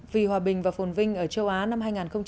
vì hòa bình và phồn vinh ở châu á năm hai nghìn chín